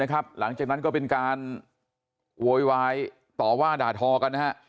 หลังจากนั้นก็เป็นการโวยวายต่อว่าด่าทอกันนะฮะ